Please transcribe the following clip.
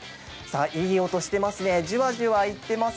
いい音してますね、ジワジワ言ってます。